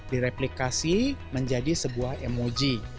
direplikasi menjadi sebuah emoji